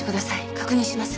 確認します。